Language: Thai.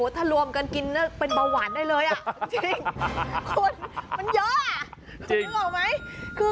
ถ้ารวมกันกินเป็นเบาหวานได้เลยจริงมันเยอะ